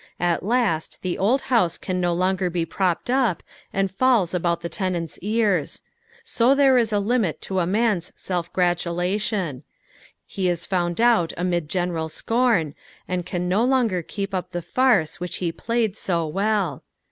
At last the old house can no longer be propped up, and falls about tlie tenant's ears : bo there is a limit to a roan's selNgratulation ; he is found out amid geaeral scoth, and can a') longer keep up the farce which he played so well.